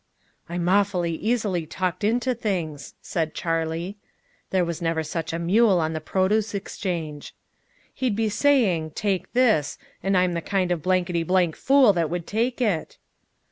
"I'm awfully easily talked into things," said Charley. (There was never such a mule on the Produce Exchange.) "He'd be saying, 'Take this' and I'm the kind of blankety blank fool that would take it!"